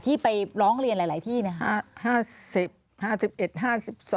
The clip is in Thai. ที่ไปร้องเรียนหลายที่นะคะ